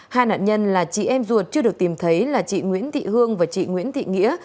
hai nạn nhân là chị em ruột chưa được tìm thấy là chị nguyễn thị hương và chị nguyễn thị nghĩa